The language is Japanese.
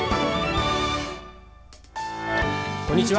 こんにちは。